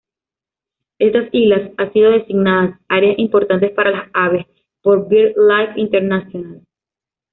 Estas islas han sido designadas "Área importante para las aves" por Birdlife International.